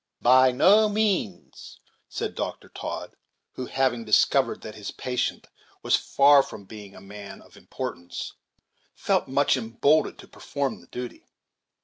"By no means." said Dr. Todd, who, having discovered that his patient was far from being a man of importance, felt much emboldened to perform the duty.